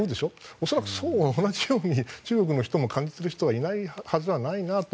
恐らく同じように中国の人も同じように感じない人はいないはずはないなと。